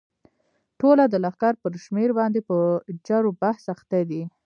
ټوله د لښکر پر شمېر باندې په جرو بحث اخته دي.